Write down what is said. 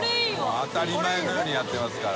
当たり前のようにやってますから。